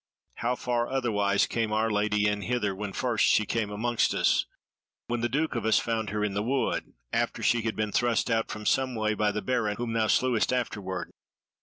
How far otherwise came our Lady in hither when first she came amongst us, when the Duke of us found her in the wood after she had been thrust out from Sunway by the Baron whom thou slewest afterward.